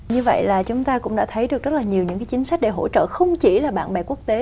như vậy là chúng ta cũng đã thấy được rất là nhiều những chính sách để hỗ trợ không chỉ là bạn bè quốc tế